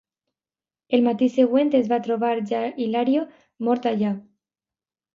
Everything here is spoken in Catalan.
El matí següent es va trobar Ilario mort allà.